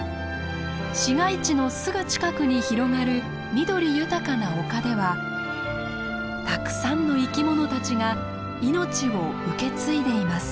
市街地のすぐ近くに広がる緑豊かな丘ではたくさんの生き物たちが命を受け継いでいます。